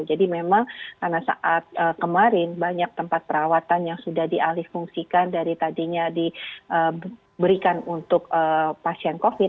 jadi memang karena saat kemarin banyak tempat perawatan yang sudah dialih fungsikan dari tadinya diberikan untuk pasien covid